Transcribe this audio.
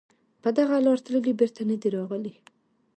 په دغه لاره تللي بېرته نه دي راغلي